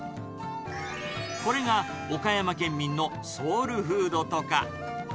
これが岡山県民のソウルフードとか。